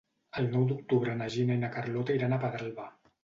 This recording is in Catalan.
El nou d'octubre na Gina i na Carlota iran a Pedralba.